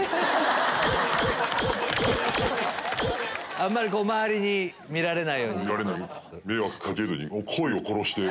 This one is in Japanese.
あんまり周りに見られないように。